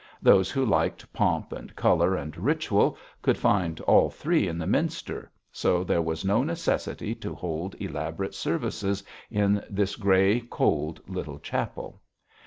Those who liked pomp and colour and ritual could find all three in the minster, so there was no necessity to hold elaborate services in this grey, cold, little chapel.